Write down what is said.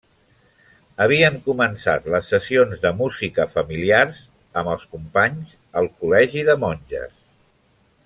Havien començat les sessions de música familiars, amb els companys, al col·legi de monges.